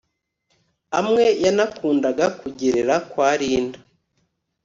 amwe yanakundaga kugerera kwa Linda